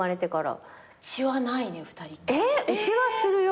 えっ？うちはするよ。